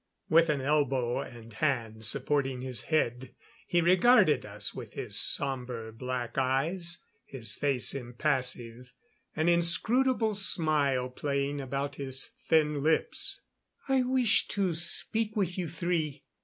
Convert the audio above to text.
With an elbow and hand supporting his head he regarded us with his sombre black eyes, his face impassive, an inscrutable smile playing about his thin lips. "I wish to speak with you three.